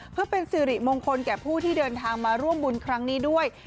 เพื่อเป็นสิริมงคลแก่ผู้ที่เดินทางมาร่วมบุญครั้งนี้ด้วย